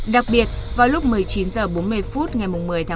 đặc biệt vào lúc một mươi chín h bốn mươi phút ngày một mươi ba hai nghìn hai mươi bốn